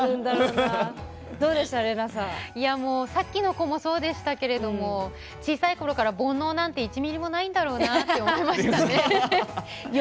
さっきの子もそうですけど小さいころから煩悩なんて１ミリもないんだろうなって思いましたね。